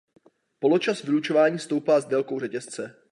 Poločas vylučování stoupá s délkou řetězce.